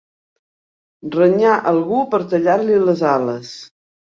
Renyar algú per a tallar-li les ales.